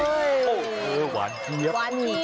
เห็นว่านเที๊ยบ